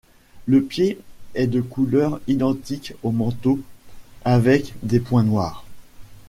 Le pied est de couleur identique au manteau avec des points noirs.